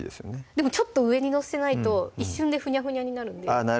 でもちょっと上に載せないと一瞬でフニャフニャになるんであっ